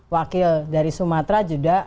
wakil dari sumatera juga